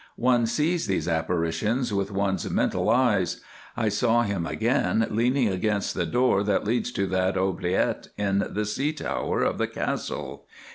One sees these apparitions with one's mental eyes. I saw him again leaning against the door that leads to that oubliette in the Sea Tower of the Castle.